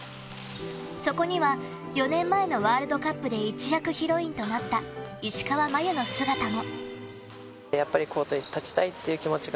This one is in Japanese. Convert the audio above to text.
そこには４年前のワールドカップで一躍ヒロインとなった石川真佑の姿も。